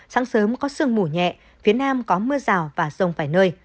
sáng sớm có sương mù nhẹ phía nam có mưa rào và rông vài nơi